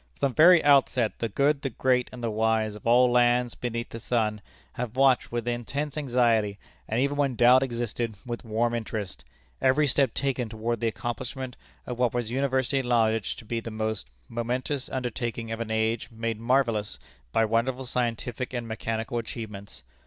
From the very outset the good, the great and the wise of all lands beneath the sun, have watched with intense anxiety, and even when doubt existed, with warm interest, every step taken toward the accomplishment of what was universally acknowledged to be the most momentous undertaking of an age made marvellous by wonderful scientific and mechanical achievements.